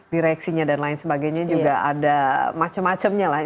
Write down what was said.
direksinya dan lain sebagainya juga ada macam macamnya lah